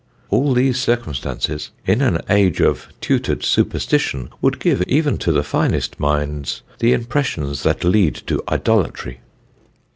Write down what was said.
All these circumstances, in an age of tutored superstition, would give, even to the finest minds, the impressions that lead to idolatry."